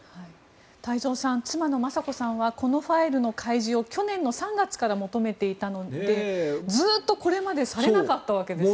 太蔵さん妻の雅子さんは開示を去年の３月から求めていたのでずっとこれまでされなかったわけですね。